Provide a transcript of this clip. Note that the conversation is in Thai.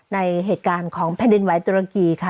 ในเหตุการณ์ของแผ่นดินไหวตุรกีค่ะ